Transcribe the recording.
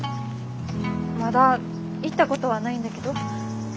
まだ行ったことはないんだけど。